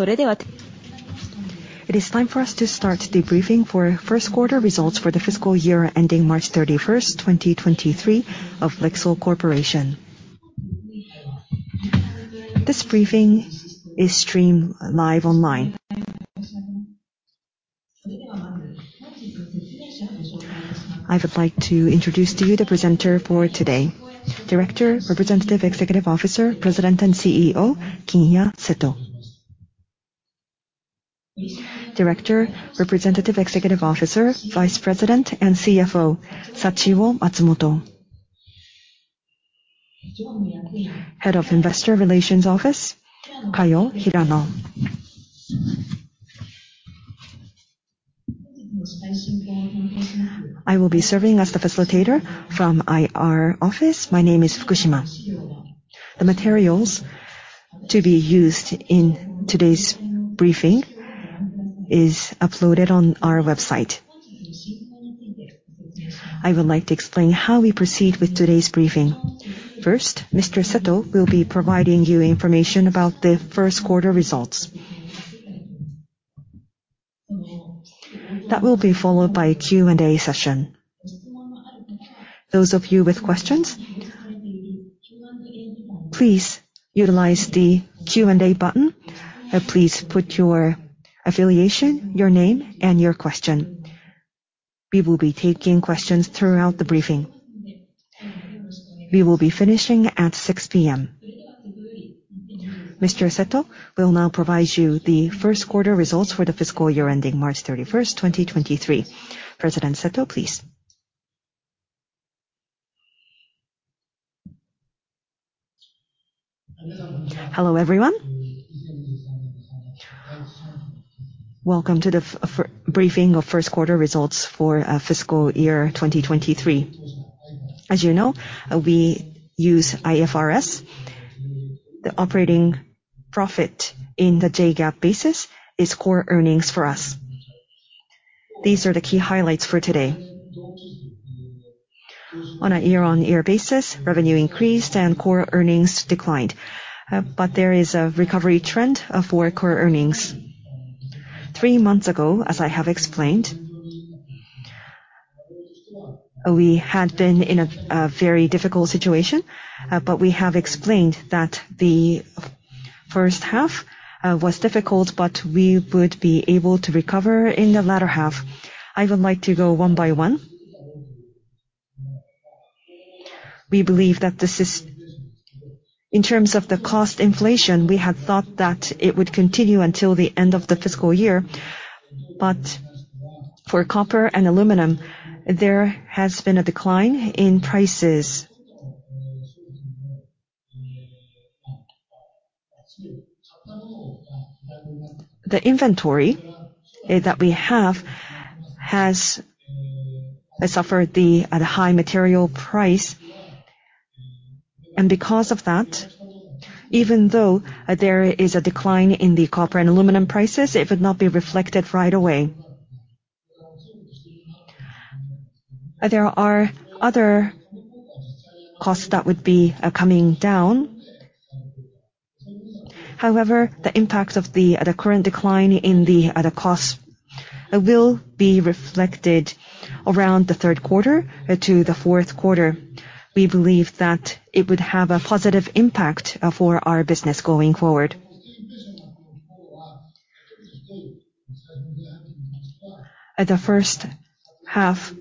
It is time for us to start the briefing for first quarter results for the fiscal year ending March 31st, 2023 of LIXIL Corporation. This briefing is streamed live online. I would like to introduce to you the presenter for today. Director, Representative Executive Officer, President, and CEO, Kinya Seto. Director, Representative Executive Officer, Vice President, and CFO, Sachio Matsumoto. Head of Investor Relations Office, Kayo Hirano. I will be serving as the facilitator from IR office. My name is Fukushima. The materials to be used in today's briefing is uploaded on our website. I would like to explain how we proceed with today's briefing. First, Mr. Seto will be providing you information about the first quarter results. That will be followed by a Q&A session. Those of you with questions, please utilize the Q&A button, please put your affiliation, your name, and your question. We will be taking questions throughout the briefing. We will be finishing at 6:00 P.M. Mr. Seto will now provide you the first quarter results for the fiscal year ending March 31st, 2023. President Seto, please. Hello, everyone. Welcome to the briefing of first quarter results for fiscal year 2023. As you know, we use IFRS. The operating profit in the JGAAP basis is core earnings for us. These are the key highlights for today. On a year-on-year basis, revenue increased and core earnings declined. There is a recovery trend for core earnings. Three months ago, as I have explained, we had been in a very difficult situation, but we have explained that the first half was difficult, but we would be able to recover in the latter half. I would like to go one by one. In terms of the cost inflation, we had thought that it would continue until the end of the fiscal year, but for copper and aluminum, there has been a decline in prices. The inventory that we have has suffered the high material price. Because of that, even though there is a decline in the copper and aluminum prices, it would not be reflected right away. There are other costs that would be coming down. However, the impact of the current decline in the costs will be reflected around the third quarter to the fourth quarter. We believe that it would have a positive impact for our business going forward. The first half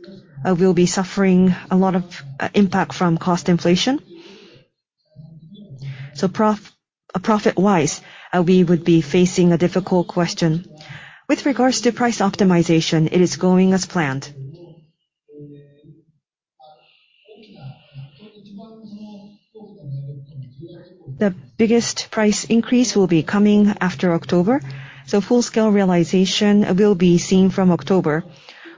will be suffering a lot of impact from cost inflation. Profit-wise, we would be facing a difficult question. With regards to price optimization, it is going as planned. The biggest price increase will be coming after October, so full-scale realization will be seen from October.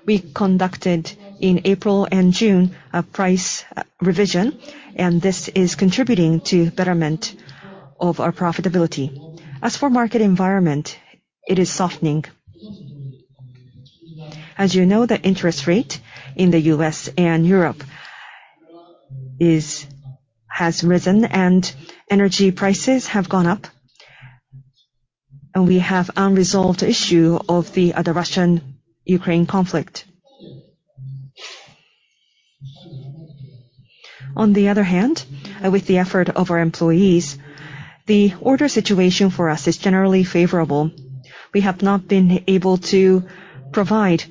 We conducted in April and June a price revision, and this is contributing to betterment of our profitability. As for market environment, it is softening. As you know, the interest rate in the U.S. and Europe has risen and energy prices have gone up, and we have unresolved issue of the Russo-Ukrainian War. On the other hand, with the effort of our employees, the order situation for us is generally favorable. We have not been able to provide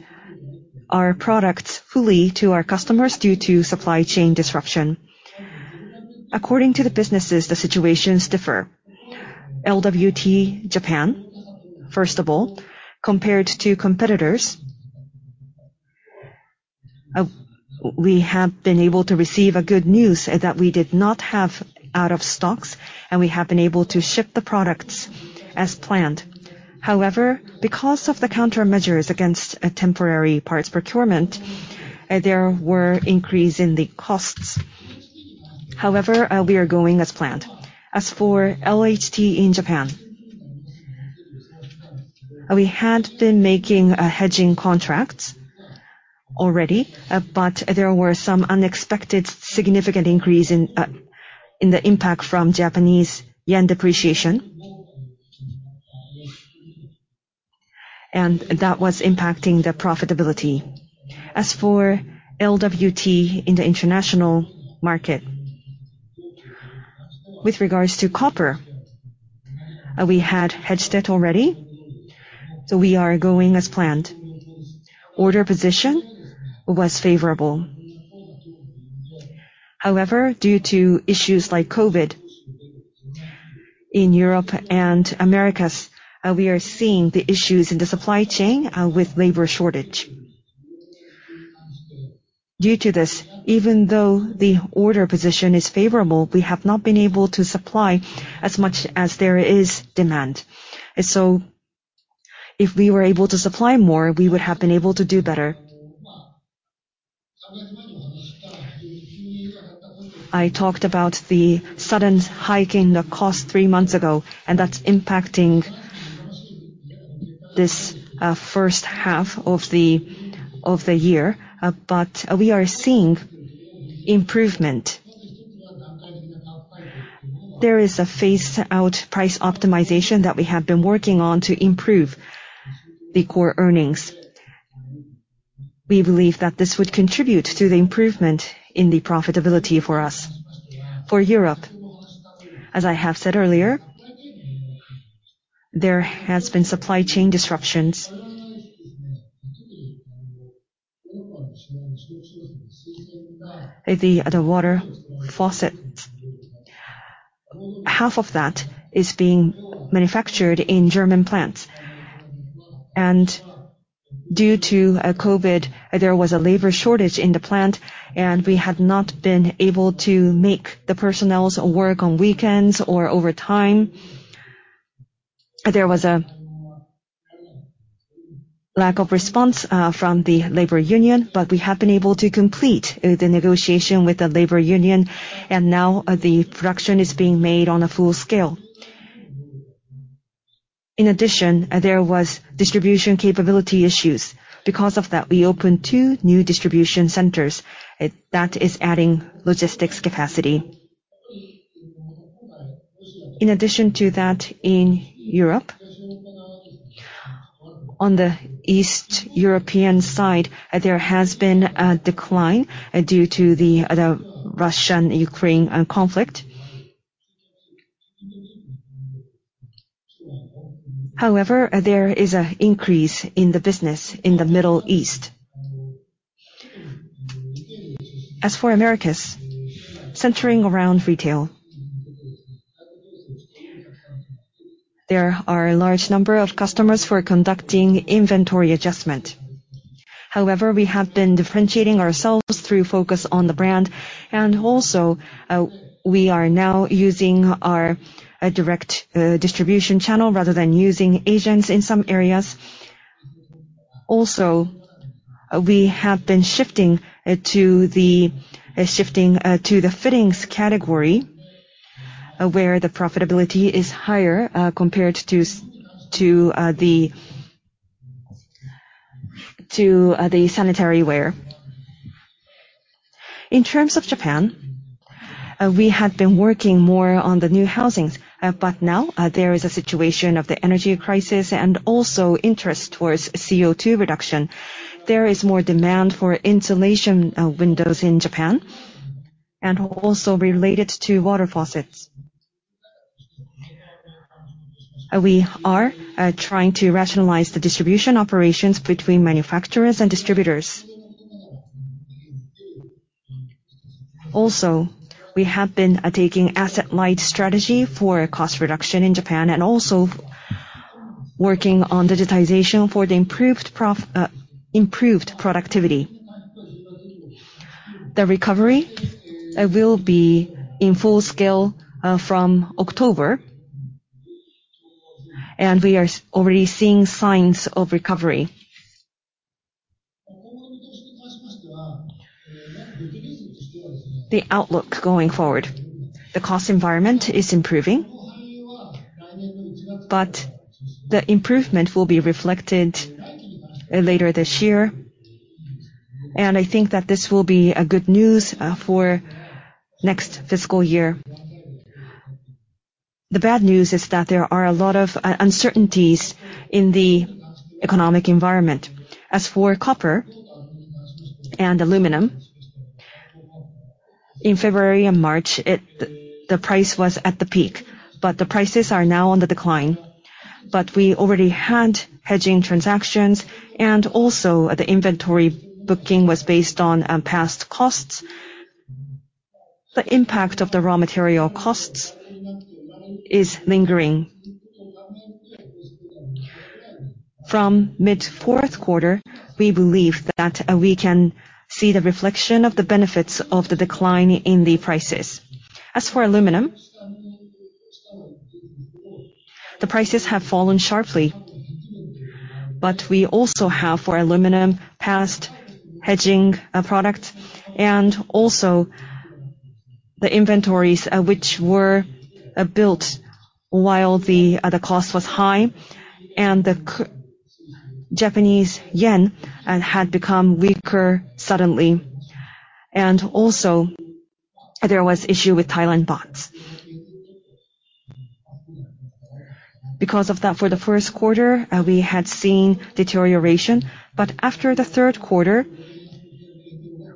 our products fully to our customers due to supply chain disruption. According to the businesses, the situations differ. LWT Japan, first of all, compared to competitors, we have been able to receive good news that we did not have out of stocks, and we have been able to ship the products as planned. However, because of the countermeasures against a temporary parts procurement, there was an increase in the costs. However, we are going as planned. As for LHT in Japan, we had been making a hedging contract already, but there were some unexpected significant increase in the impact from Japanese yen depreciation. That was impacting the profitability. As for LWT in the international market, with regards to copper, we had hedged it already, so we are going as planned. Order position was favorable. However, due to issues like COVID in Europe and Americas, we are seeing the issues in the supply chain with labor shortage. Due to this, even though the order position is favorable, we have not been able to supply as much as there is demand. If we were able to supply more, we would have been able to do better. I talked about the sudden hike in the cost three months ago, and that's impacting this first half of the year, but we are seeing improvement. There is a phase-out price optimization that we have been working on to improve the core earnings. We believe that this would contribute to the improvement in the profitability for us. For Europe, as I have said earlier, there has been supply chain disruptions. The other water faucet. Half of that is being manufactured in German plants. Due to COVID, there was a labor shortage in the plant, and we had not been able to make the personnel work on weekends or overtime. There was a lack of response from the labor union, but we have been able to complete the negotiation with the labor union, and now the production is being made on a full scale. In addition, there was distribution capacity issues. Because of that, we opened two new distribution centers. That is adding logistics capacity. In addition to that, in Europe, on the East European side, there has been a decline due to the Russo-Ukrainian War. However, there is an increase in the business in the Middle East. As for Americas, centering around retail, there are a large number of customers who are conducting inventory adjustment. However, we have been differentiating ourselves through focus on the brand, and also we are now using our direct distribution channel rather than using agents in some areas. Also, we have been shifting to the fittings category, where the profitability is higher compared to the sanitary ware. In terms of Japan, we had been working more on the new housings, but now there is a situation of the energy crisis and also interest towards CO2 reduction. There is more demand for insulation windows in Japan and also related to water faucets. We are trying to rationalize the distribution operations between manufacturers and distributors. Also, we have been taking asset-light strategy for cost reduction in Japan and also working on digitization for the improved productivity. The recovery, it will be in full scale, from October, and we are already seeing signs of recovery. The outlook going forward. The cost environment is improving, but the improvement will be reflected, later this year. I think that this will be a good news, for next fiscal year. The bad news is that there are a lot of, uncertainties in the economic environment. As for copper and aluminum, in February and March, the price was at the peak, but the prices are now on the decline. We already had hedging transactions and also the inventory booking was based on, past costs. The impact of the raw material costs is lingering. From mid fourth quarter, we believe that, we can see the reflection of the benefits of the decline in the prices. As for aluminum, the prices have fallen sharply, but we also have for aluminum past hedging, product and also the inventories, which were built while the cost was high and the Japanese yen had become weaker suddenly. also, there was issue with Thai baht. Because of that, for the first quarter, we had seen deterioration. after the third quarter,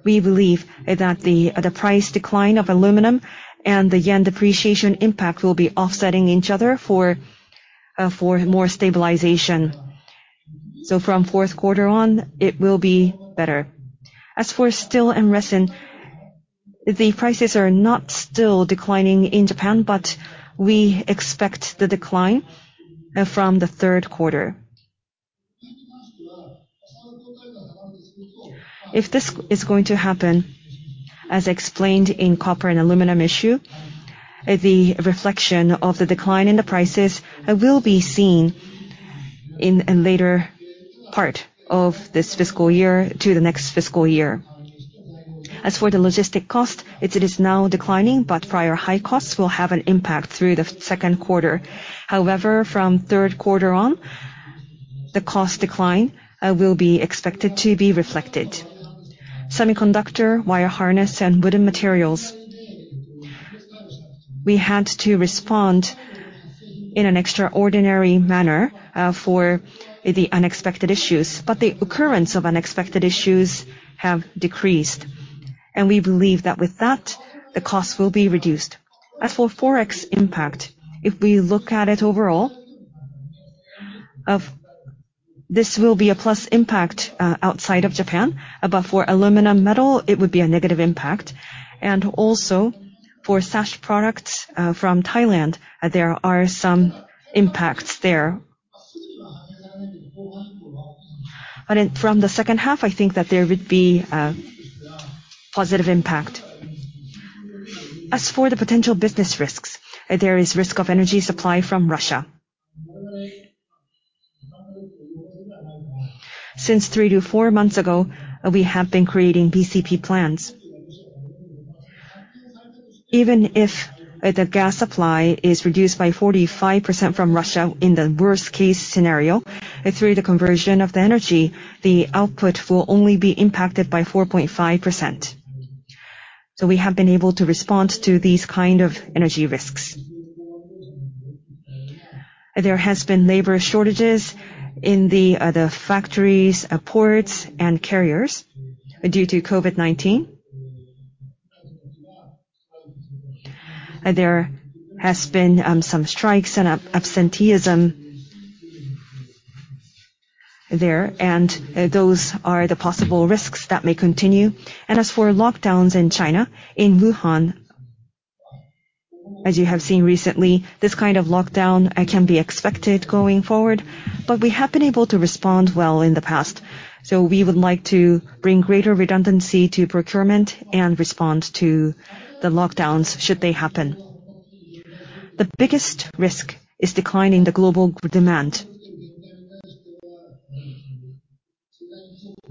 we believe that the price decline of aluminum and the yen depreciation impact will be offsetting each other for more stabilization. from fourth quarter on, it will be better. As for steel and resin, the prices are not still declining in Japan, but we expect the decline from the third quarter. If this is going to happen, as explained in copper and aluminum issue, the reflection of the decline in the prices will be seen in a later part of this fiscal year to the next fiscal year. As for the logistics cost, it is now declining, but prior high costs will have an impact through the second quarter. However, from third quarter on, the cost decline will be expected to be reflected. Semiconductor, wire harness, and wooden materials. We had to respond in an extraordinary manner for the unexpected issues. The occurrence of unexpected issues have decreased, and we believe that with that, the costs will be reduced. As for forex impact, if we look at it overall, of this will be a plus impact outside of Japan. For aluminum metal it would be a negative impact. Also for sash products from Thailand, there are some impacts there. From the second half, I think that there would be a positive impact. As for the potential business risks, there is risk of energy supply from Russia. Since 3-4 months ago, we have been creating BCP plans. Even if the gas supply is reduced by 45% from Russia in the worst case scenario, through the conversion of the energy, the output will only be impacted by 4.5%. We have been able to respond to these kind of energy risks. There has been labor shortages in the factories, ports, and carriers due to COVID-19. There has been some strikes and absenteeism there, and those are the possible risks that may continue. As for lockdowns in China, in Wuhan, as you have seen recently, this kind of lockdown can be expected going forward. We have been able to respond well in the past, so we would like to bring greater redundancy to procurement and respond to the lockdowns should they happen. The biggest risk is decline in the global demand.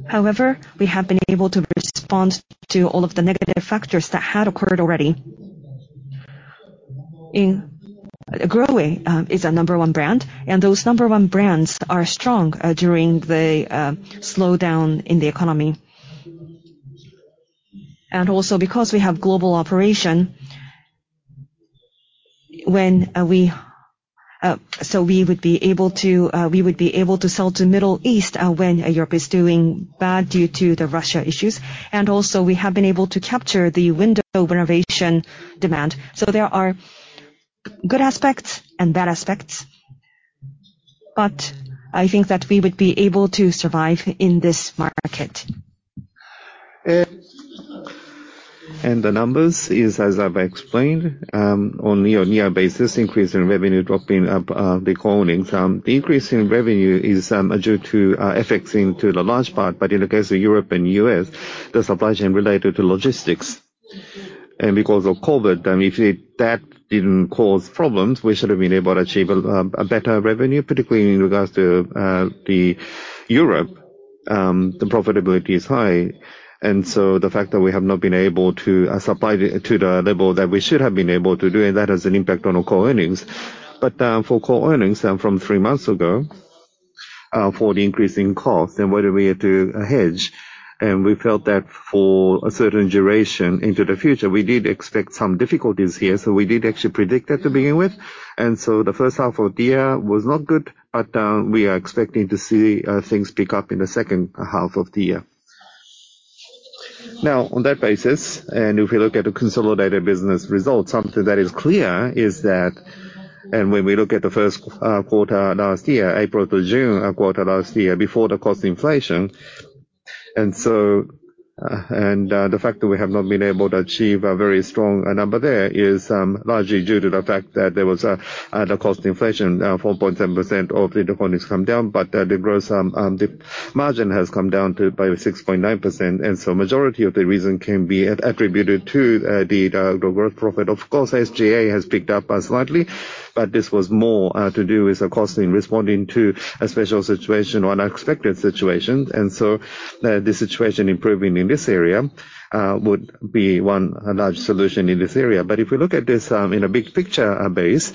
However, we have been able to respond to all of the negative factors that had occurred already. GROHE is our number one brand, and those number one brands are strong during the slowdown in the economy. Also because we have global operation, we would be able to sell to Middle East when Europe is doing bad due to the Russia issues. We have been able to capture the window renovation demand. There are good aspects and bad aspects, but I think that we would be able to survive in this market. The numbers is, as I've explained, on year-on-year basis, increase in revenue dropping the core earnings. The increase in revenue is due to FX to a large part. In the case of Europe and U.S., the supply chain related to logistics. Because of COVID, if that didn't cause problems, we should have been able to achieve a better revenue. Particularly in regards to the Europe, the profitability is high. The fact that we have not been able to supply to the level that we should have been able to do, and that has an impact on our core earnings. For core earnings, from three months ago, for the increase in cost and whether we had to hedge. We felt that for a certain duration into the future, we did expect some difficulties here. We did actually predict that to begin with. The first half of the year was not good, but we are expecting to see things pick up in the second half of the year. Now on that basis, and if you look at the consolidated business results, something that is clear is that, and when we look at the first quarter last year, April to June quarter last year, before the cost inflation. The fact that we have not been able to achieve a very strong number there is largely due to the fact that there was the cost inflation, 4.7% of the earnings come down, but the gross. The margin has come down by 6.9%, majority of the reason can be attributed to the gross profit. Of course, SG&A has picked up slightly, but this was more to do with the cost in responding to a special situation or unexpected situation. The situation improving in this area would be one large solution in this area. If we look at this in a big picture basis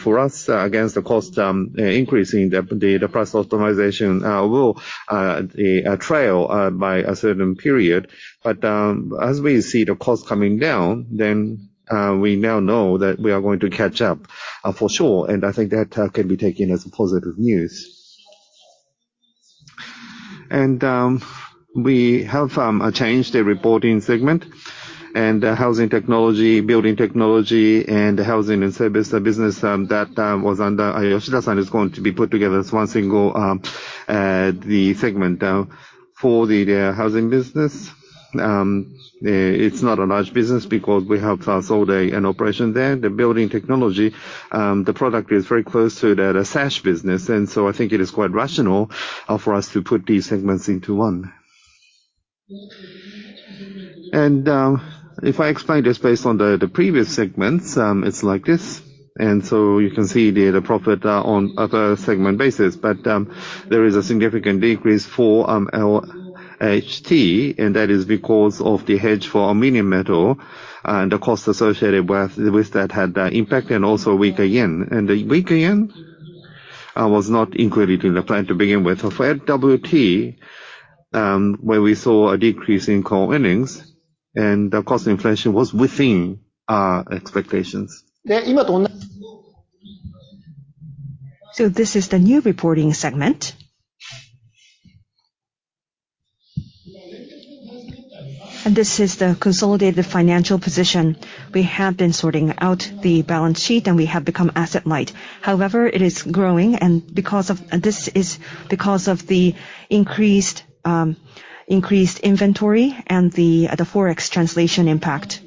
for us against the cost increasing the price optimization will trail by a certain period. As we see the cost coming down, we now know that we are going to catch up for sure. I think that can be taken as positive news. We have changed the reporting segment. Housing Technology, Building Technology, and the Housing & Service business that was under Yoshida-san is going to be put together as one single segment. For the housing business, it's not a large business because we have asset-light operation there. The Building Technology, the product is very close to the sash business, and so I think it is quite rational for us to put these segments into one. If I explain this based on the previous segments, it's like this. You can see the profit on other segment basis. There is a significant decrease for our HT, and that is because of the hedge for aluminum metal and the cost associated with that had the impact and also weaker yen. The weaker yen was not included in the plan to begin with. For WT, where we saw a decrease in core earnings and the cost inflation was within our expectations. This is the new reporting segment. This is the consolidated financial position. We have been sorting out the balance sheet, and we have become asset-light. However, it is growing. This is because of the increased inventory and the FX translation impact.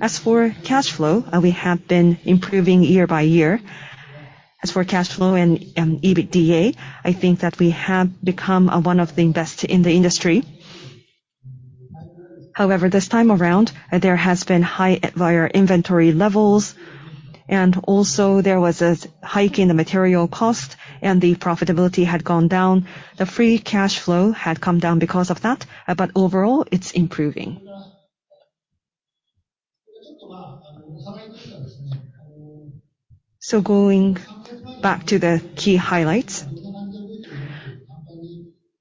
As for cash flow, we have been improving year by year. As for cash flow and EBITDA, I think that we have become one of the best in the industry. However, this time around, there has been high inventory levels, and also there was a hike in the material cost, and the profitability had gone down. The free cash flow had come down because of that, but overall, it's improving. Going back to the key highlights.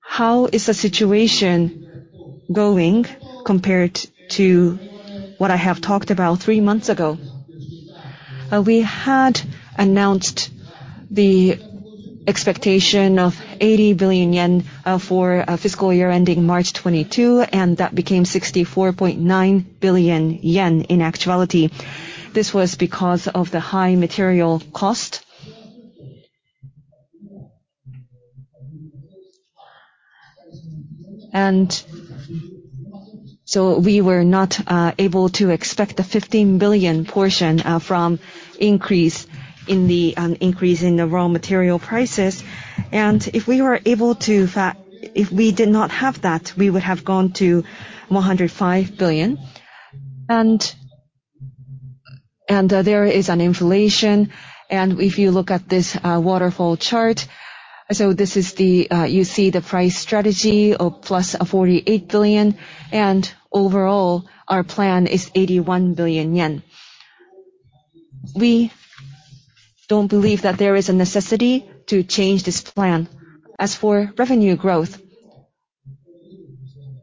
How is the situation going compared to what I have talked about three months ago? We had announced the expectation of 80 billion yen for a fiscal year ending March 2022, and that became 64.9 billion yen in actuality. This was because of the high material cost. We were not able to expect the 15 billion portion from increase in the raw material prices. If we did not have that, we would have gone to 105 billion. There is an inflation. If you look at this waterfall chart, this is the, you see the price strategy of +48 billion. Overall, our plan is 81 billion yen. We don't believe that there is a necessity to change this plan. As for revenue growth,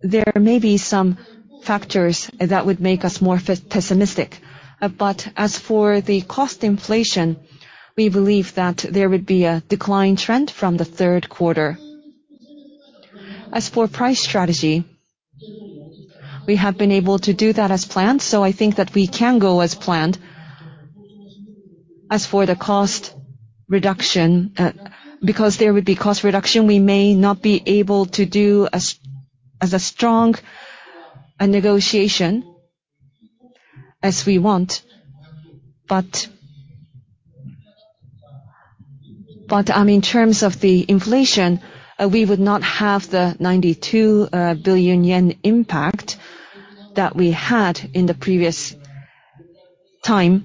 there may be some factors that would make us more pessimistic. As for the cost inflation, we believe that there would be a decline trend from the third quarter. As for price strategy, we have been able to do that as planned, so I think that we can go as planned. As for the cost reduction, because there would be cost reduction, we may not be able to do as strong a negotiation as we want. In terms of the inflation, we would not have the 92 billion yen impact that we had in the previous time.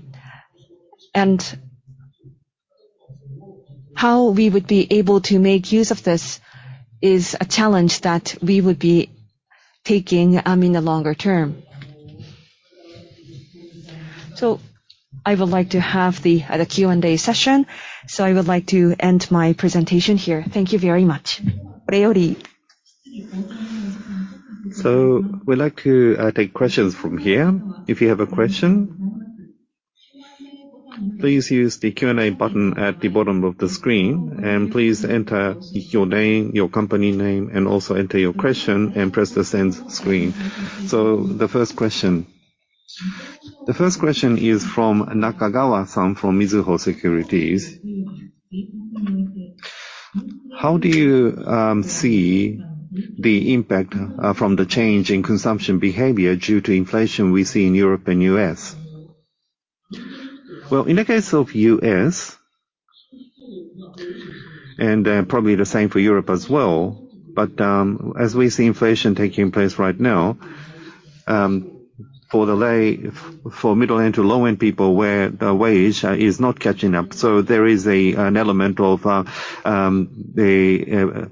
How we would be able to make use of this is a challenge that we would be taking in the longer term. I would like to have the Q&A session. I would like to end my presentation here. Thank you very much. Oreori. We'd like to take questions from here. If you have a question, please use the Q&A button at the bottom of the screen. Please enter your name, your company name, and also enter your question and press the Send screen. The first question is from Nakagawa-san from Mizuho Securities. How do you see the impact from the change in consumption behavior due to inflation we see in Europe and US? Well, in the case of US, and probably the same for Europe as well, but as we see inflation taking place right now, for middle-end to low-end people where the wage is not catching up. There is an element of the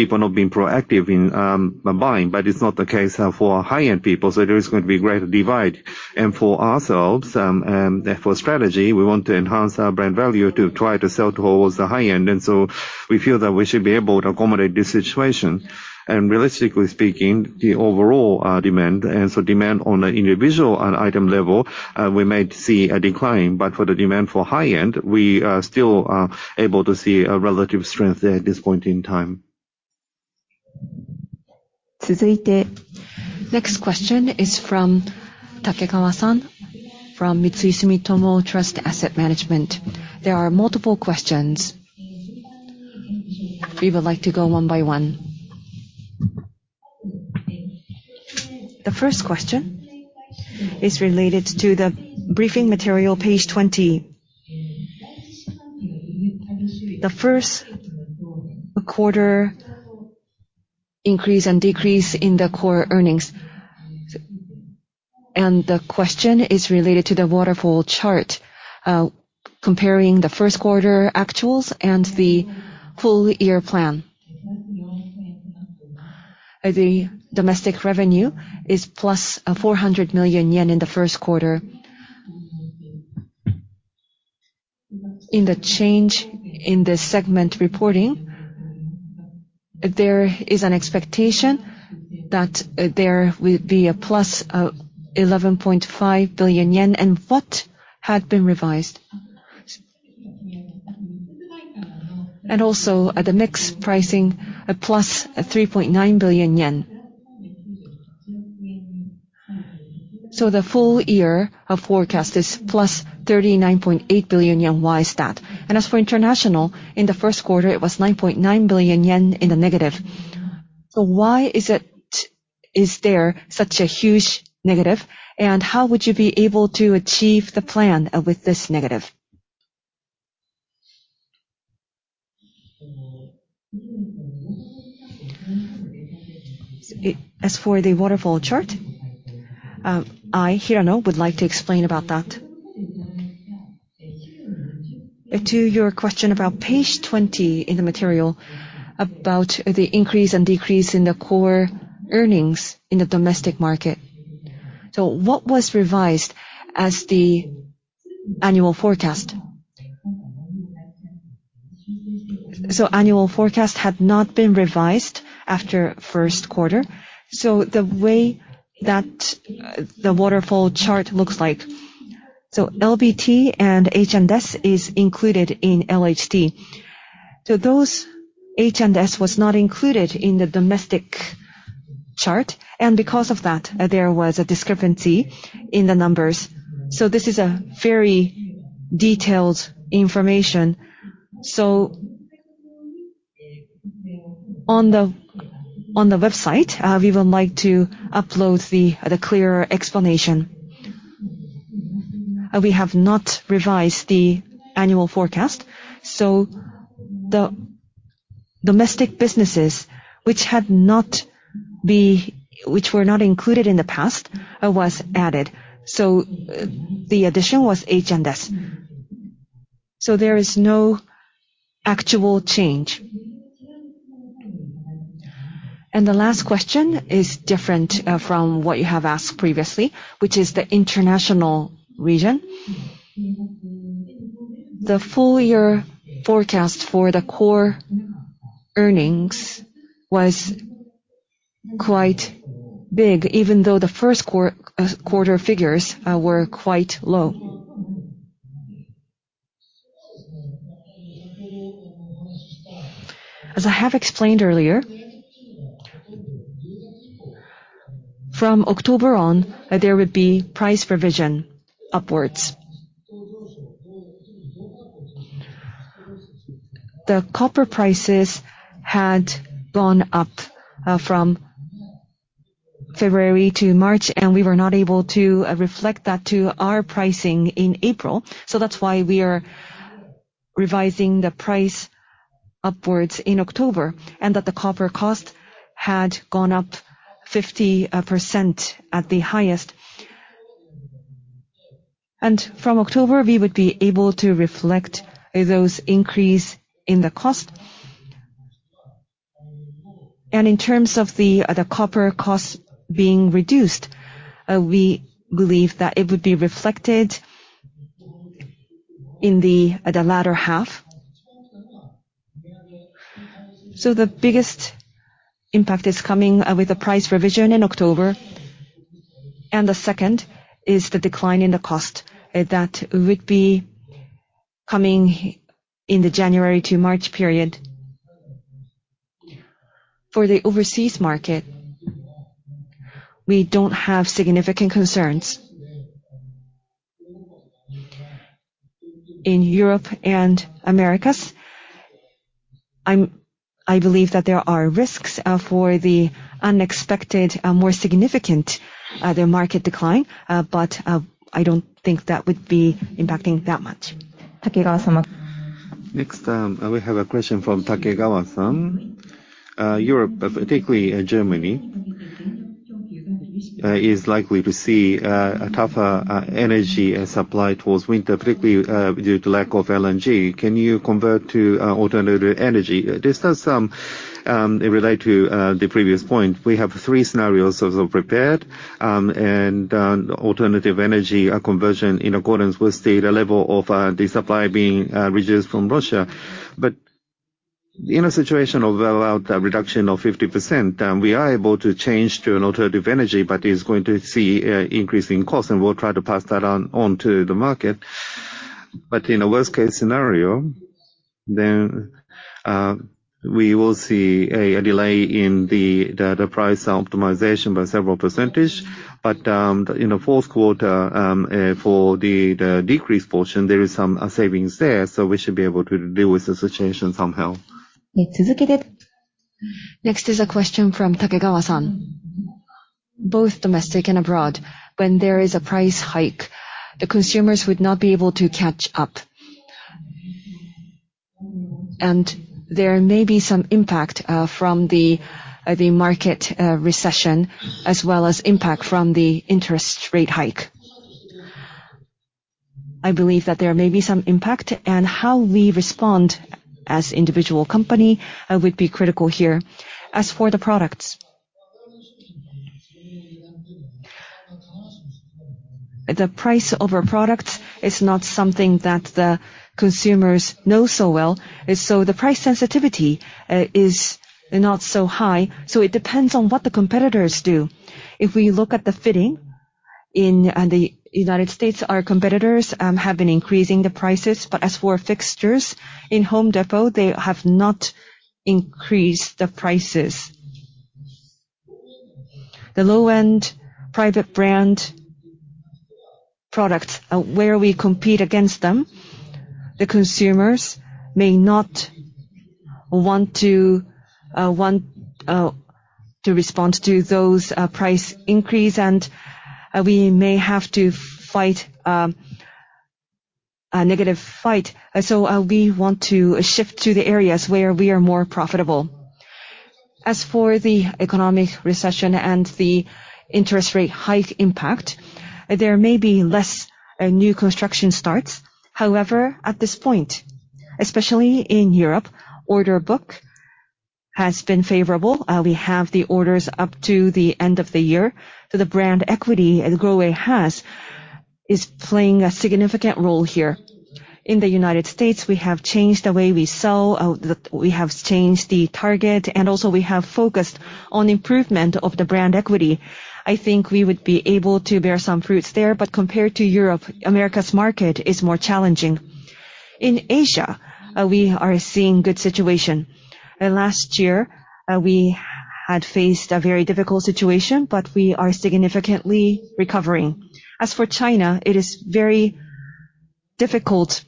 people not being proactive in buying, but it's not the case for high-end people, so there is going to be a greater divide. For ourselves, our strategy, we want to enhance our brand value to try to sell towards the high end, and we feel that we should be able to accommodate this situation. Realistically speaking, the overall demand on an individual and item level, we might see a decline. But for the demand for high end, we are still able to see a relative strength there at this point in time. Next question is from Takegawa-san from Sumitomo Mitsui Trust Asset Management. There are multiple questions. We would like to go one by one. The first question is related to the briefing material page 20. The first quarter increase and decrease in the core earnings. The question is related to the waterfall chart, comparing the first quarter actuals and the full year plan. The domestic revenue is +400 million yen in the first quarter. In the change in the segment reporting, there is an expectation that there will be a +11.5 billion yen, and what had been revised? And also at the mix & pricing, a +3.9 billion yen. The full year of forecast is +39.8 billion yen. Why is that? As for international, in the first quarter it was 9.9 billion yen in the negative. Why is it, is there such a huge negative, and how would you be able to achieve the plan, with this negative? As for the waterfall chart, I, Hirano, would like to explain about that. To your question about page 20 in the material, about the increase and decrease in the core earnings in the domestic market. What was revised as the annual forecast? Annual forecast had not been revised after first quarter, so the way that the waterfall chart looks like. LBT and H&S is included in LHT. Those H&S was not included in the domestic chart, and because of that, there was a discrepancy in the numbers. This is a very detailed information. On the website, we would like to upload the clearer explanation. We have not revised the annual forecast, so the domestic businesses which were not included in the past was added. The addition was H&S. There is no actual change. The last question is different from what you have asked previously, which is the international region. The full year forecast for the core earnings was quite big, even though the first quarter figures were quite low. As I have explained earlier, from October on, there would be price revision upwards. The copper prices had gone up from February to March, and we were not able to reflect that to our pricing in April. That's why we are revising the price upwards in October. That the copper cost had gone up 50% at the highest. From October, we would be able to reflect those increase in the cost. In terms of the copper cost being reduced, we believe that it would be reflected in the latter half. The biggest impact is coming with the price revision in October. The second is the decline in the cost that would be coming in the January to March period. For the overseas market, we don't have significant concerns. In Europe and Americas, I believe that there are risks for the unexpected more significant their market decline. I don't think that would be impacting that much. Next, we have a question from Takegawa-san. Europe, particularly Germany, is likely to see a tougher energy supply towards winter, particularly due to lack of LNG. Can you convert to alternative energy? This does relate to the previous point. We have three scenarios also prepared, and alternative energy conversion in accordance with the level of the supply being reduced from Russia. In a situation of about a reduction of 50%, we are able to change to an alternative energy, but it's going to see an increase in cost, and we'll try to pass that on to the market. In a worst-case scenario, we will see a delay in the price optimization by several percent. In the fourth quarter, for the decreased portion, there is some savings there, so we should be able to deal with the situation somehow. Next is a question from Takegawa-san. Both domestic and abroad, when there is a price hike, the consumers would not be able to catch up. There may be some impact from the market recession, as well as impact from the interest rate hike. I believe that there may be some impact and how we respond as individual company would be critical here. As for the products, the price of our products is not something that the consumers know so well. The price sensitivity is not so high. It depends on what the competitors do. If we look at the fitting in the United States, our competitors have been increasing the prices. As for fixtures in Home Depot, they have not increased the prices. The low-end private brand products, where we compete against them, the consumers may not want to respond to those price increase, and we may have to fight a negative fight. We want to shift to the areas where we are more profitable. As for the economic recession and the interest rate hike impact, there may be less new construction starts. However, at this point, especially in Europe, order book has been favorable. We have the orders up to the end of the year. The brand equity that GROHE has is playing a significant role here. In the United States, we have changed the way we sell. We have changed the target, and also we have focused on improvement of the brand equity. I think we would be able to bear some fruits there. Compared to Europe, America's market is more challenging. In Asia, we are seeing good situation. Last year, we had faced a very difficult situation, but we are significantly recovering. As for China, it is very difficult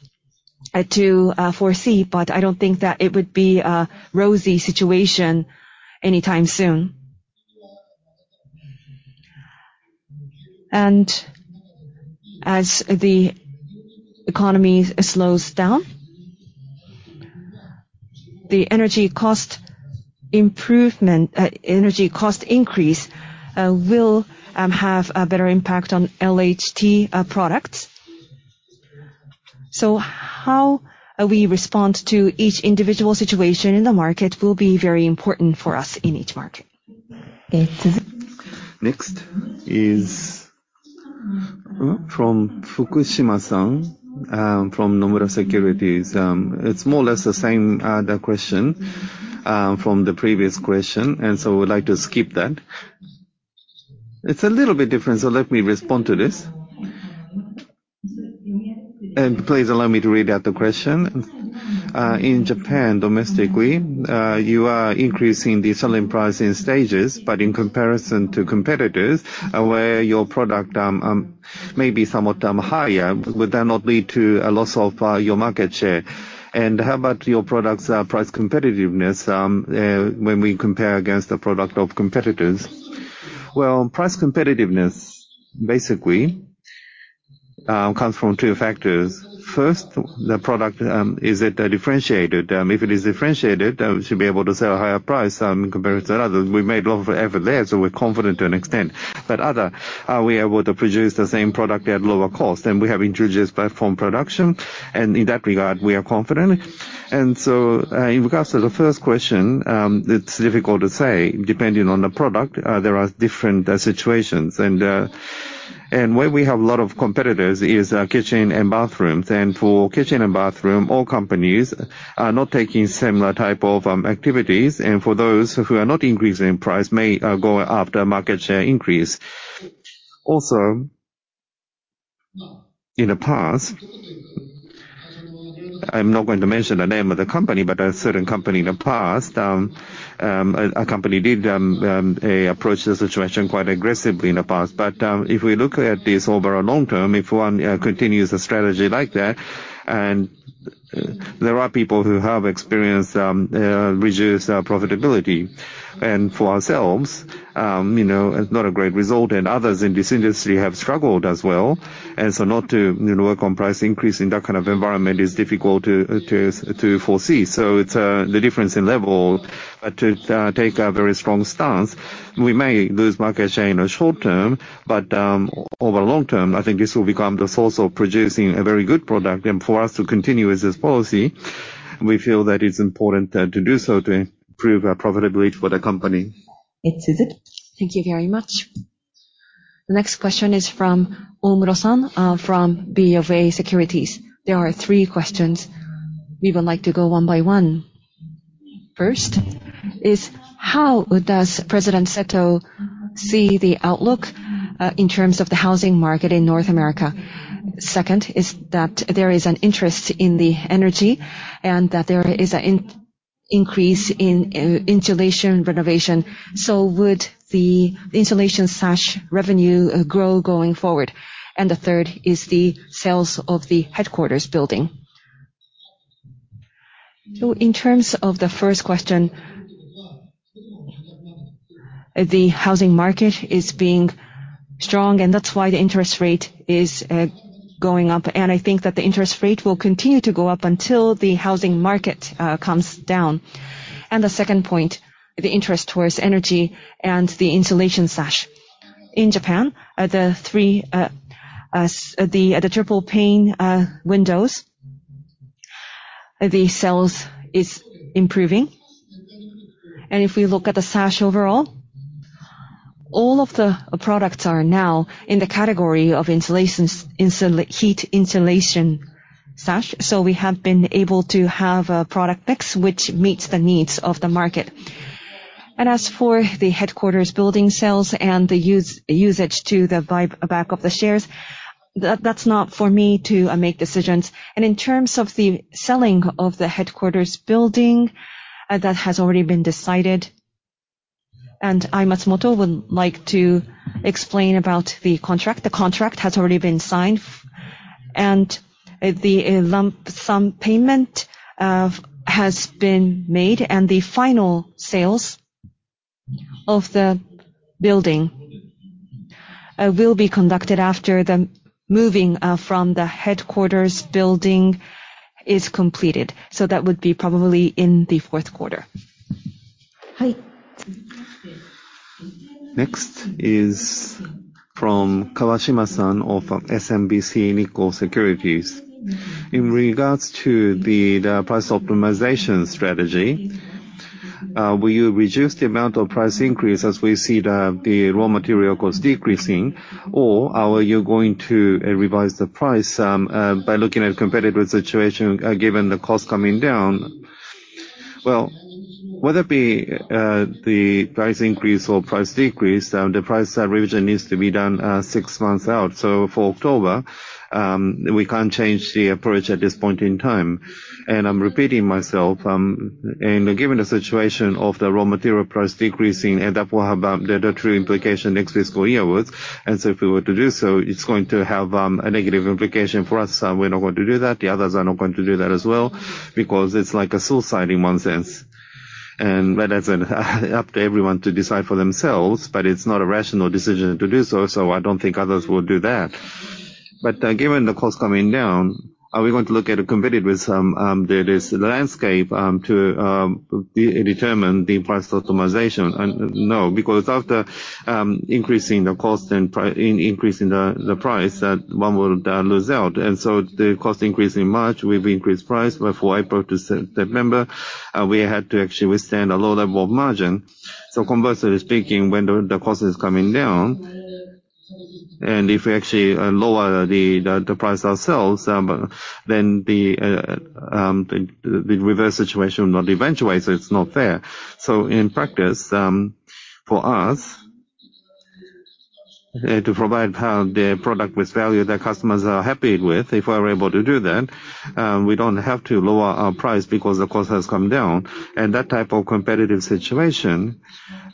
to foresee, but I don't think that it would be a rosy situation anytime soon. As the economy slows down, the energy cost increase will have a better impact on LHT products. How we respond to each individual situation in the market will be very important for us in each market. Next is from Fukushima-san from Nomura Securities. It's more or less the same the question from the previous question, and so I would like to skip that. It's a little bit different, so let me respond to this. Please allow me to read out the question. In Japan, domestically, you are increasing the selling price in stages, but in comparison to competitors, where your product may be somewhat higher, would that not lead to a loss of your market share? How about your products' price competitiveness when we compare against the product of competitors? Well, price competitiveness basically comes from two factors. First, the product is it differentiated? If it is differentiated, we should be able to sell a higher price compared to others. We've made a lot of effort there, so we're confident to an extent. Otherwise, are we able to produce the same product at lower cost? We have introduced platform production, and in that regard, we are confident. In regards to the first question, it's difficult to say. Depending on the product, there are different situations. Where we have a lot of competitors is kitchen and bathrooms. For kitchen and bathroom, all companies are not taking similar type of activities. For those who are not increasing price may go after market share increase. Also in the past, I'm not going to mention the name of the company, but a certain company in the past, a company did approach the situation quite aggressively in the past. If we look at this over a long term, if one continues a strategy like that, and there are people who have experienced reduced profitability. For ourselves, you know, it's not a great result, and others in this industry have struggled as well. Not to, you know, work on price increase in that kind of environment is difficult to foresee. It's the difference in level. To take a very strong stance, we may lose market share in the short term, but over long term, I think this will become the source of producing a very good product. For us to continue with this policy, we feel that it's important to do so to improve our profitability for the company. Thank you very much. The next question is from Omuro-san from BofA Securities. There are three questions. We would like to go one by one. First is how does President Seto see the outlook in terms of the housing market in North America? Second is that there is an interest in the energy and that there is an increase in insulation renovation. So would the insulation sash revenue grow going forward? The third is the sales of the headquarters building. In terms of the first question, the housing market is being strong, and that's why the interest rate is going up. I think that the interest rate will continue to go up until the housing market comes down. The second point, the interest towards energy and the insulation sash. In Japan, the triple pane windows, the sales is improving. If we look at the sash overall, all of the products are now in the category of heat insulation sash. We have been able to have a product mix which meets the needs of the market. As for the headquarters building sales and the usage to the buyback of the shares, that's not for me to make decisions. In terms of the selling of the headquarters building, that has already been decided. I, Matsumoto, would like to explain about the contract. The contract has already been signed, and the lump sum payment has been made, and the final sales of the building will be conducted after the moving from the headquarters building is completed. That would be probably in the fourth quarter. Hi. Next is from Kawashima-san of SMBC Nikko Securities. In regard to the price optimization strategy, will you reduce the amount of price increase as we see the raw material cost decreasing? Or are you going to revise the price by looking at competitive situation, given the cost coming down? Well, whether it be the price increase or price decrease, the price revision needs to be done six months out. For October, we can't change the approach at this point in time. I'm repeating myself, and given the situation of the raw material price decreasing, and that will have the true implication next fiscal year worth. If we were to do so, it's going to have a negative implication for us. We're not going to do that. The others are not going to do that as well, because it's like a suicide in one sense. It's up to everyone to decide for themselves, but it's not a rational decision to do so I don't think others will do that. Given the cost coming down, are we going to look at it competitively with this landscape to determine the price optimization? No, because after increasing the cost and price, one will lose out. The cost increase in March, we've increased price, but for April to September, we had to actually withstand a low level of margin. Conversely speaking, when the cost is coming down, and if we actually lower the price ourselves, then the reverse situation will not eventuate, so it's not fair. In practice, for us to provide the product with value that customers are happy with, if we're able to do that, we don't have to lower our price because the cost has come down. That type of competitive situation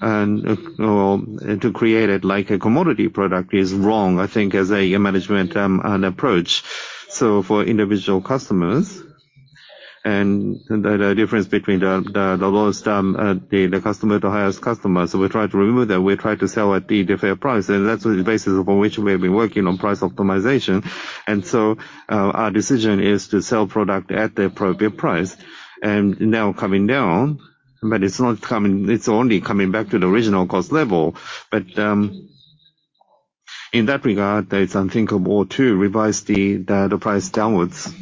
to create it like a commodity product is wrong, I think as a management approach. For individual customers, and the difference between the lowest customer to highest customer, so we try to remove that. We try to sell at the fair price. That's the basis upon which we have been working on price optimization. Our decision is to sell product at the appropriate price. Now coming down, but it's not coming. It's only coming back to the original cost level. In that regard, that is unthinkable to revise the price downwards.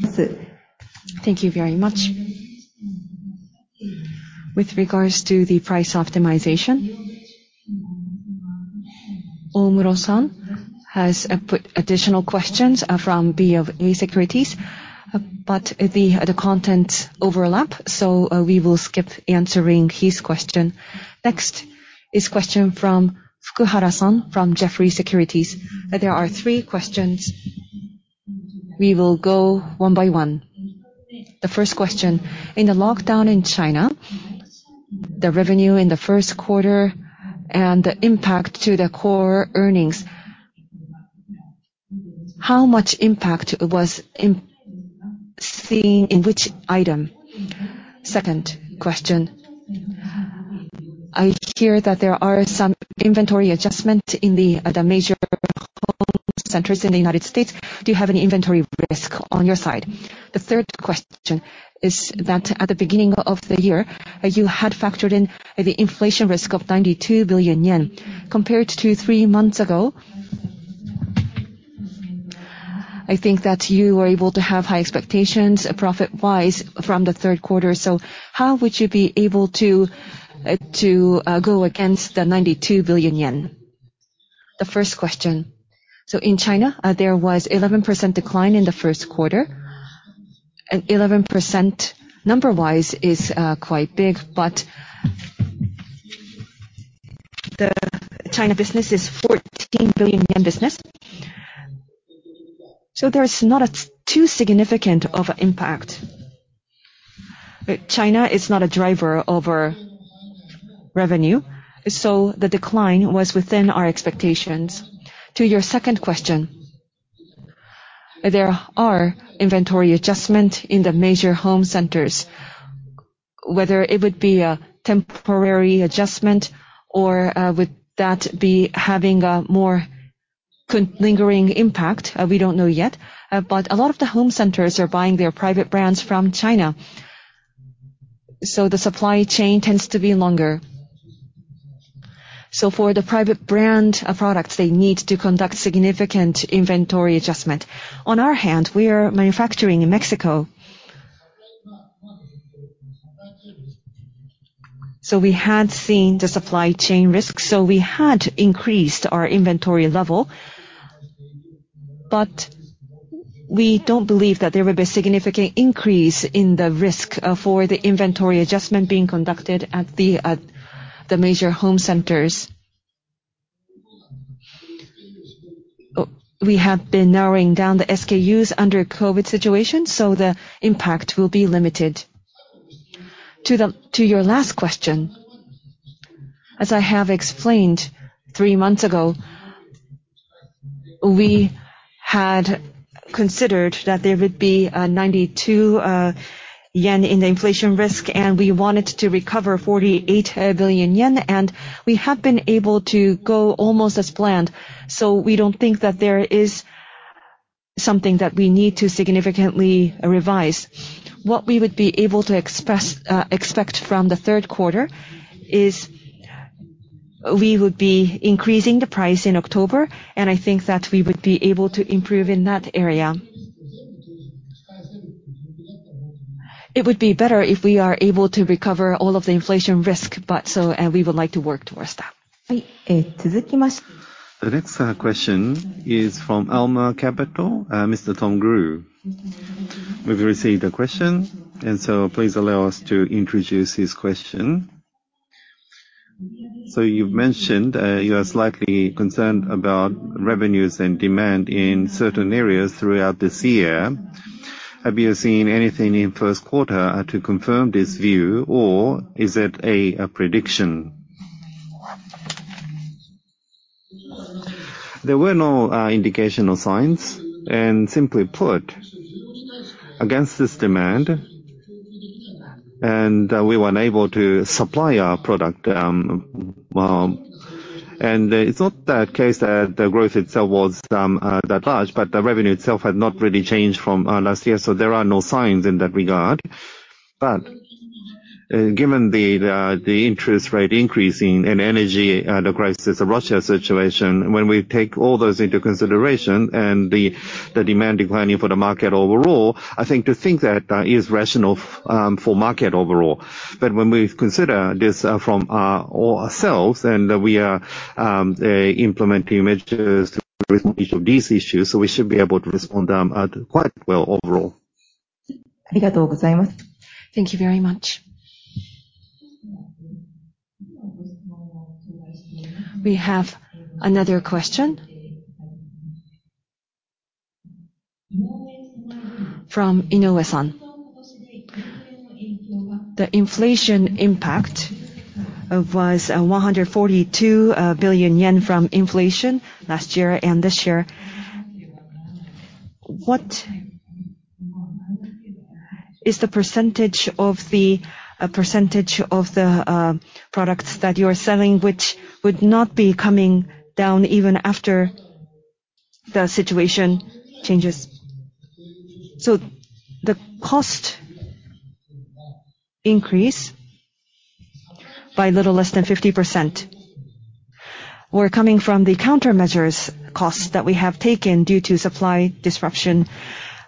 Thank you very much. With regards to the price optimization, Omuro-san has put additional questions from BofA Securities. The content overlap, so we will skip answering his question. Next is question from Fukuhara-san from Jefferies Securities. There are three questions. We will go one by one. The first question, in the lockdown in China, the revenue in the first quarter and the impact to the core earnings, how much impact was seen in which item? Second question, I hear that there are some inventory adjustment in the major home centers in the United States. Do you have any inventory risk on your side? The third question is that at the beginning of the year, you had factored in the inflation risk of 92 billion yen. Compared to three months ago, I think that you were able to have high expectations profit-wise from the third quarter. How would you be able to go against the 92 billion yen? The first question. In China, there was 11% decline in the first quarter. 11% number-wise is quite big, but the China business is 14 billion yen business. There's not a too significant of impact. China is not a driver of our revenue, so the decline was within our expectations. To your second question, there are inventory adjustment in the major home centers. Whether it would be a temporary adjustment or would that be having a more lingering impact, we don't know yet. A lot of the home centers are buying their private brands from China, so the supply chain tends to be longer. For the private brand products, they need to conduct significant inventory adjustment. On our end, we are manufacturing in Mexico. We had seen the supply chain risks, so we had increased our inventory level. We don't believe that there would be a significant increase in the risk for the inventory adjustment being conducted at the major home centers. We have been narrowing down the SKUs under COVID situation, so the impact will be limited. To your last question, as I have explained three months ago, we had considered that there would be a 92 yen in the inflation risk, and we wanted to recover 48 billion yen. We have been able to go almost as planned. We don't think that there is something that we need to significantly revise. What we would be able to expect from the third quarter is we would be increasing the price in October, and I think that we would be able to improve in that area. It would be better if we are able to recover all of the inflation risk, but so, we would like to work towards that. The next question is from Alma Capital, Mr. Tom Grew. We've received a question, and so please allow us to introduce his question. You've mentioned you are slightly concerned about revenues and demand in certain areas throughout this year. Have you seen anything in first quarter to confirm this view, or is it a prediction? There were no indication or signs. Simply put, against this demand and we were unable to supply our product. It's not the case that the growth itself was that large, but the revenue itself had not really changed from last year, so there are no signs in that regard. Given the interest rate increase, energy crisis, Russia situation, when we take all those into consideration and the demand declining in the market overall, I think that is rational for the market overall. When we consider this from ourselves and we are implementing measures to respond to each of these issues, we should be able to respond quite well overall. Thank you very much. We have another question from Inoue-san. The inflation impact was 142 billion yen from inflation last year and this year. What is the percentage of the products that you are selling which would not be coming down even after the situation changes? The cost increase by a little less than 50% were coming from the countermeasures costs that we have taken due to supply disruption.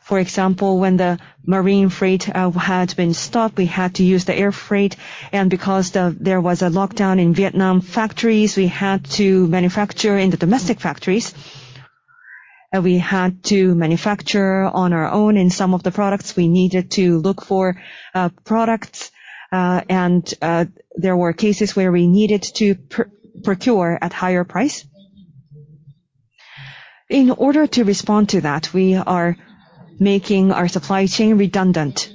For example, when the marine freight had been stopped, we had to use the air freight. Because there was a lockdown in Vietnam factories, we had to manufacture in the domestic factories. We had to manufacture on our own in some of the products. We needed to look for products and there were cases where we needed to procure at higher price. In order to respond to that, we are making our supply chain redundant.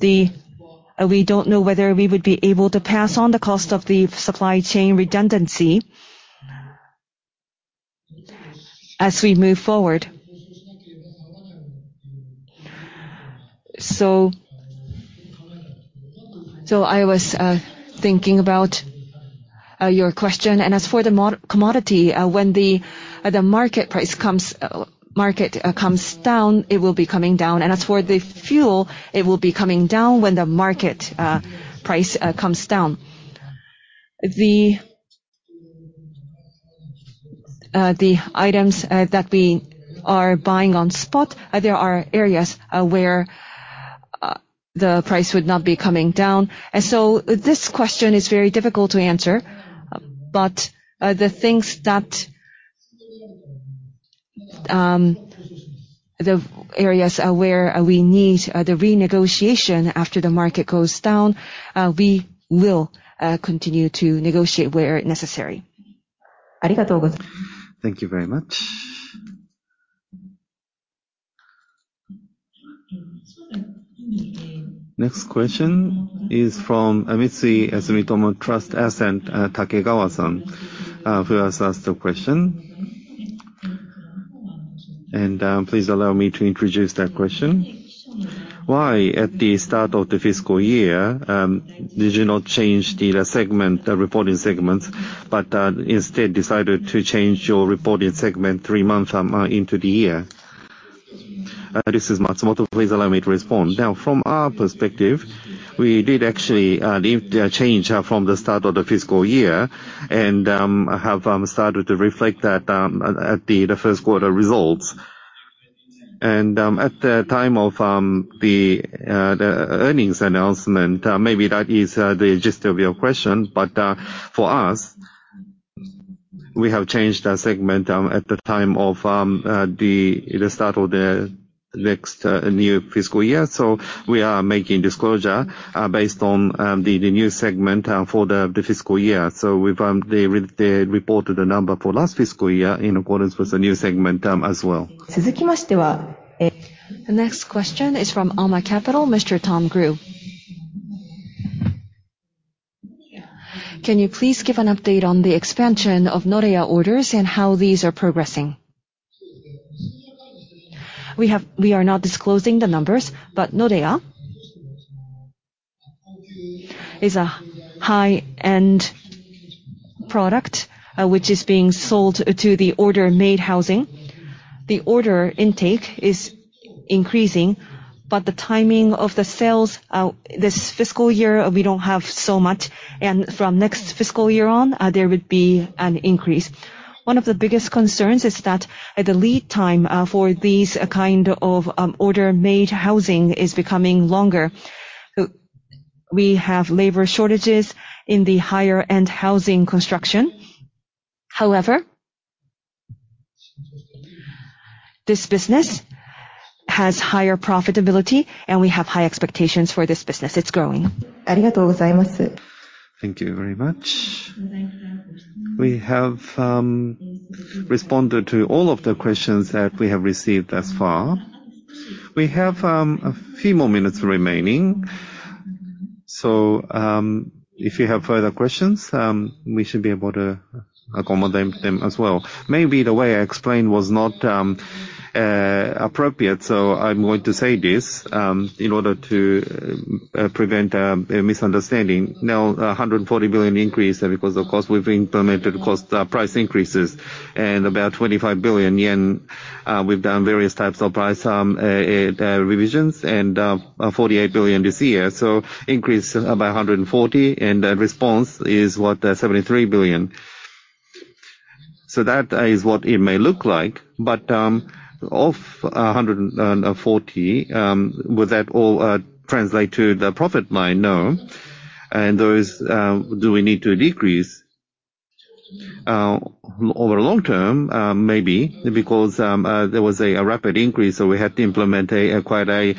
We don't know whether we would be able to pass on the cost of the supply chain redundancy as we move forward. I was thinking about your question. As for the non-commodity, when the market price comes down, it will be coming down. As for the fuel, it will be coming down when the market price comes down. The items that we are buying on spot, there are areas where the price would not be coming down. This question is very difficult to answer. The things, the areas where we need the renegotiation after the market goes down, we will continue to negotiate where necessary. Thank you very much. Next question is from Sumitomo Mitsui Trust Asset Management, Takegawa-san, who has asked the question. Please allow me to introduce that question. Why, at the start of the fiscal year, did you not change the segment, the reporting segments, but instead decided to change your reporting segment three months into the year? This is Matsumoto. Please allow me to respond. Now, from our perspective, we did actually leave the change from the start of the fiscal year and have started to reflect that at the first quarter results. At the time of the earnings announcement, maybe that is the gist of your question. For us, we have changed our segment at the time of the start of the next new fiscal year. We are making disclosure based on the new segment for the fiscal year. We've reported the number for last fiscal year in accordance with the new segment as well. The next question is from Alma Capital, Mr. Tom Grew. Can you please give an update on the expansion of NODEA orders and how these are progressing? We are not disclosing the numbers, but NODEA is a high-end product, which is being sold to the order-made housing. The order intake is increasing, but the timing of the sales, this fiscal year we don't have so much, and from next fiscal year on, there would be an increase. One of the biggest concerns is that the lead time, for these kind of, order-made housing is becoming longer. We have labor shortages in the higher-end housing construction. However, this business has higher profitability, and we have high expectations for this business. It's growing. Thank you very much. We have responded to all of the questions that we have received thus far. We have a few more minutes remaining. If you have further questions, we should be able to accommodate them as well. Maybe the way I explained was not appropriate. I'm going to say this in order to prevent a misunderstanding. Now, a 140 billion increase because of costs we've implemented cost price increases and about 25 billion yen, we've done various types of price revisions and 48 billion this year. Increase by a 140 and response is 73 billion. That is what it may look like. Of a 140, would that all translate to the profit line? No. Those, do we need to decrease over the long term? Maybe, because there was a rapid increase, so we had to implement quite a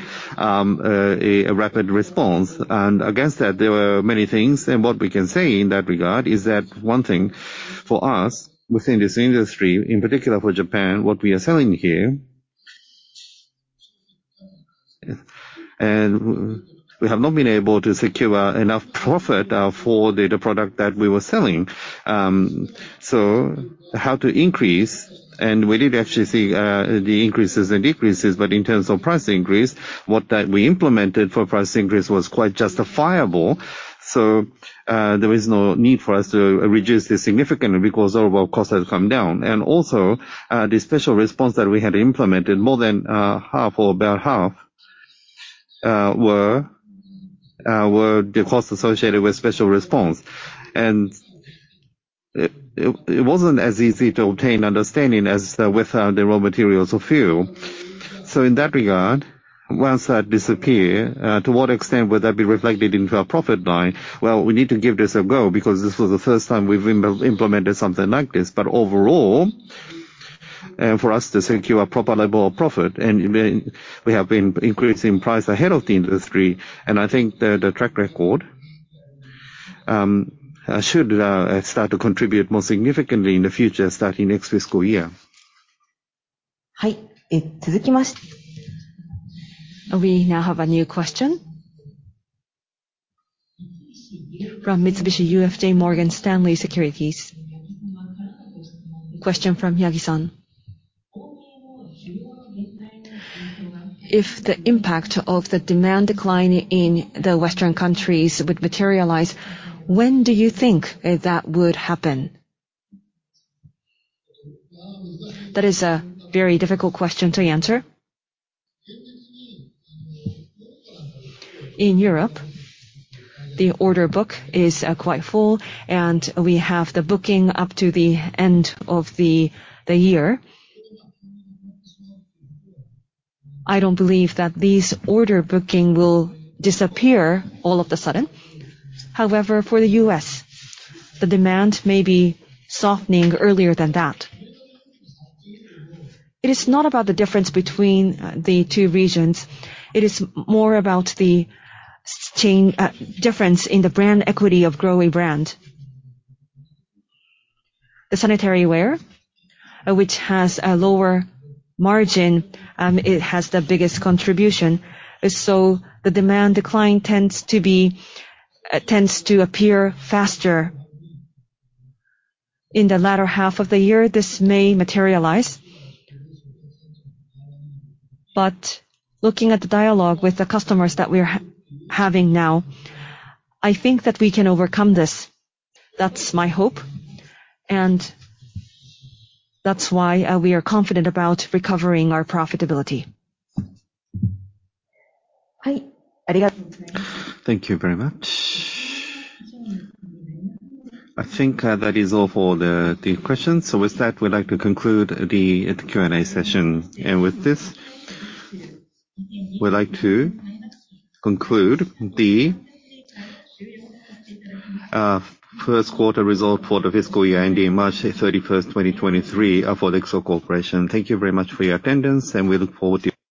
rapid response. Against that, there were many things. What we can say in that regard is that one thing for us within this industry, in particular for Japan, what we are selling here. We have not been able to secure enough profit for the product that we were selling. How to increase? We did actually see the increases and decreases, but in terms of price increase, what we implemented for price increase was quite justifiable. There is no need for us to reduce this significantly because overall cost has come down. Also, the special response that we had implemented, more than half or about half were the costs associated with special response. It wasn't as easy to obtain understanding as with the raw materials of fuel. In that regard, once that disappear, to what extent would that be reflected into our profit line? Well, we need to give this a go because this was the first time we've implemented something like this. Overall, for us to secure a proper level of profit, I mean, we have been increasing price ahead of the industry. I think the track record should start to contribute more significantly in the future, starting next fiscal year. We now have a new question. From Mitsubishi UFJ Morgan Stanley Securities. Question from Yagi-san. If the impact of the demand decline in the Western countries would materialize, when do you think that would happen? That is a very difficult question to answer. In Europe, the order book is quite full, and we have the booking up to the end of the year. I don't believe that these order booking will disappear all of the sudden. However, for the US, the demand may be softening earlier than that. It is not about the difference between the two regions. It is more about the supply chain difference in the brand equity of GROHE brand. The sanitary ware, which has a lower margin, it has the biggest contribution. The demand decline tends to appear faster. In the latter half of the year, this may materialize. Looking at the dialogue with the customers that we're having now, I think that we can overcome this. That's my hope, and that's why we are confident about recovering our profitability. Thank you very much. I think that is all for the questions. With that, we'd like to conclude the Q&A session. With this, we'd like to conclude the first quarter result for the fiscal year ending March 31st, 2023, for the LIXIL Corporation. Thank you very much for your attendance, and we look forward to.